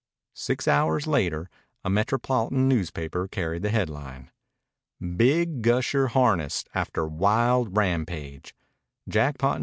Six hours later a metropolitan newspaper carried the headline: BIG GUSHER HARNESSED; AFTER WILD RAMPAGE Jackpot No.